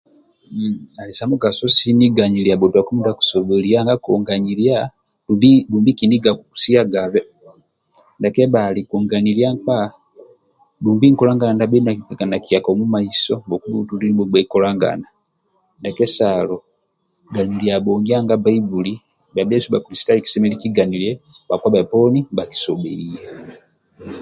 Ali sa mugaso sini ganyilia bhotuako mindia akusobhilia nanga konyayilia dumbi kiniga akukusiagabe ndia kebhali konganyilia nkpa dumbi nkolagana ndia bhenu akitigaga nakiya ka mumaiso ngoku bhutululi nibhukukolagana ndia kesalo ganyilia abhongia nanga Bbaibuli bhia bhesu bha kulisitayo kisemelelu kiganyilie bhakpa bhoponi ndibha bhakisobhikilia